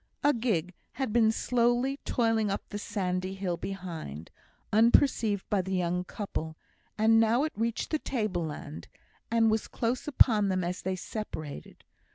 A gig had been slowly toiling up the sandy hill behind, unperceived by the young couple, and now it reached the table land, and was close upon them as they separated.